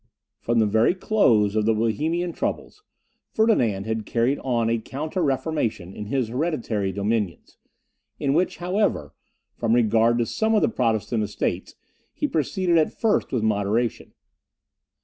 From the very close of the Bohemian troubles, Ferdinand had carried on a counter reformation in his hereditary dominions, in which, however, from regard to some of the Protestant Estates, he proceeded, at first, with moderation.